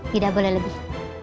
tidak boleh lebih